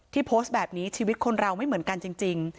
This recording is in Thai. โพสต์แบบนี้ชีวิตคนเราไม่เหมือนกันจริง